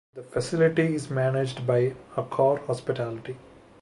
The facility is managed by Accor Hospitality.